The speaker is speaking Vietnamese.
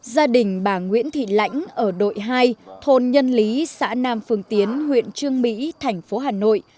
gia đình bà nguyễn thị lãnh ở đội hai thôn nhân lý xã nam phương tiến huyện trương mỹ thành phố hà nội